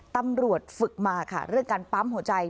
ตำรวจฝึกมาค่ะเรื่องการปั๊มหัวใจ